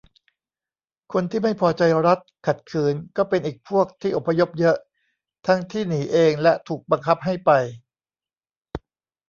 คนที่ไม่พอใจรัฐ ขัดขืน ก็เป็นอีกพวกที่อพยพเยอะ ทั้งที่หนีเองและถูกบังคับให้ไป